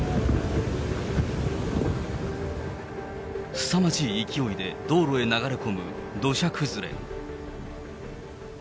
すさまじい勢いで道路へ流れ込む土砂崩れ。